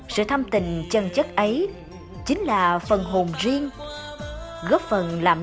sự thăm tình chân chất ấy chính là phần hồn riêng góp phần làm nên thương hiệu cho những người